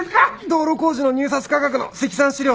道路工事の入札価格の積算資料。